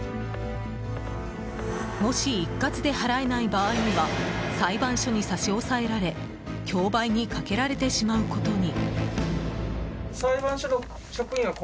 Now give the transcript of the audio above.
もし一括で払えない場合には裁判所に差し押さえられ競売にかけられてしまうことに。